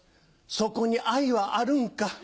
「そこにアイはあるんか」